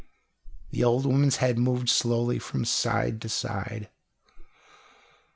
The old woman's head moved slowly from side to side.